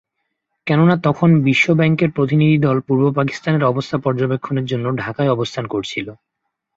কেননা তখন বিশ্বব্যাংকের প্রতিনিধি দল পূর্ব পাকিস্তানের অবস্থা পর্যবেক্ষণের জন্য ঢাকায় অবস্থান করছিল।